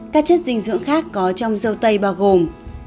các chất dinh dưỡng khác có trong dâu tây bao gồm